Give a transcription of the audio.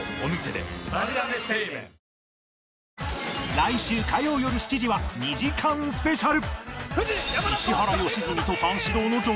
来週火曜よる７時は２時間スペシャル